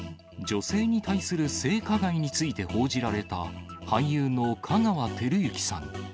女性に対する性加害について報じられた、俳優の香川照之さん。